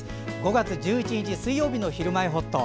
５月１１日、水曜日の「ひるまえほっと」。